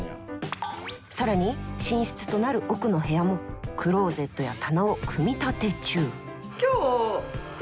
更に寝室となる奥の部屋もクローゼットや棚を組み立て中！